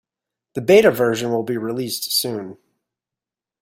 The Beta version will be released soon.